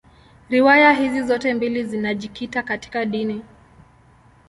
Riwaya hizi zote mbili zinajikita katika dini.